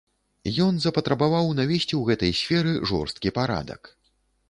Ён запатрабаваў навесці ў гэтай сферы жорсткі парадак.